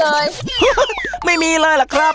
ฮือฮือไม่มีเลยล่ะครับ